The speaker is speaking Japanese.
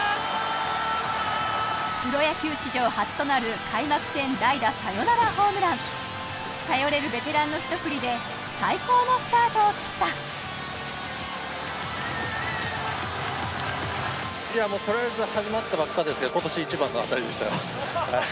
プロ野球史上初となる開幕戦代打サヨナラホームラン頼れるベテランのひと振りで最高のスタートを切ったハハ。